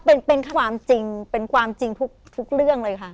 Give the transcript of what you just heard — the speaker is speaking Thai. เป็นความจริงเป็นความจริงทุกเรื่องเลยค่ะ